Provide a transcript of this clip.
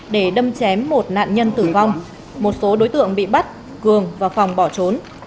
để đâm chém một nạn nhân tử vong một số đối tượng bị bắt cường và phòng bỏ trốn